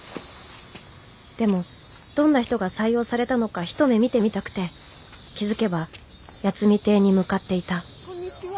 でもどんな人が採用されたのか一目見てみたくて気付けば八海邸に向かっていたこんにちは。